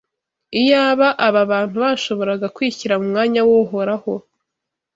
Iyaba aba bantu bashoboraga kwishyira mu mwanya w’Uhoraho,